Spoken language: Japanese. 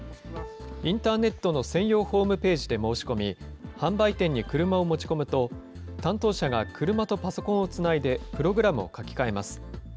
インターネットの専用ホームページで申し込み、販売店に車を持ち込むと、担当者が車とパソコンをつないでプログラムを書き換えます。